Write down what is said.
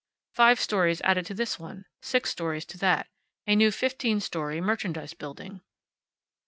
Five stories added to this one, six stories to that, a new fifteen story merchandise building.